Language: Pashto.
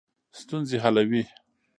ستونزې حلوي.